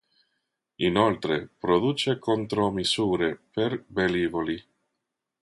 Inoltre produce contromisure per velivoli.